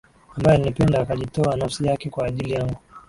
ambaye alinipenda akajitoa nafsi yake kwa ajili yangu